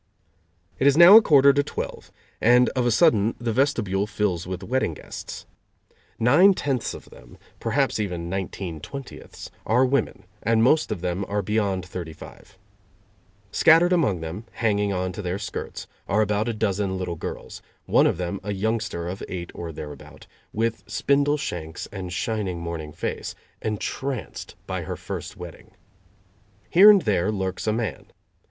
It is now a quarter to twelve, and of a sudden the vestibule fills with wedding guests. Nine tenths of them, perhaps even nineteen twentieths, are women, and most of them are beyond thirty five. Scattered among them, hanging on to their skirts, are about a dozen little girls one of them a youngster of eight or thereabout, with spindle shanks and shining morning face, entranced by her first wedding. Here and there lurks a man.